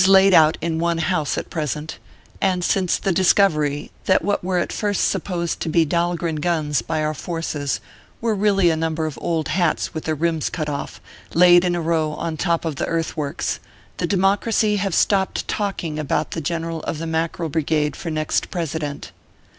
laid out in one house at present ; and since the dis covery, that what were at first supposed to be Dahl gren guns by our forces were really a number of old hats with their rims cut off, laid in a row on top of the earthworks, the democracy have stopped talking about the General of the Mackerel Brigade for next President.